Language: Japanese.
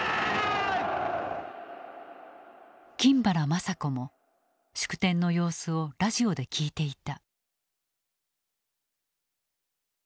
金原まさ子も祝典の様子をラジオで聞いていた。